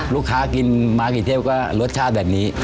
ลูกค้ากินมากี่เทพก็รสชาติแบบนี้